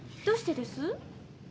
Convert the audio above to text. どうしてです？